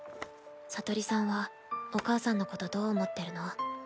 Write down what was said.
聡里さんはお母さんのことどう思ってるの？